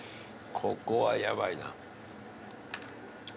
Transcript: ここはやばいな。